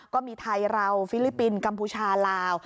ก็มีไทยเราฟิลิปปินส์กัมพูชาลาว